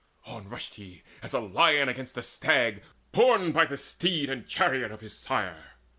On rushed he, as a lion against a stag, Borne by the steeds and chariot of his sire.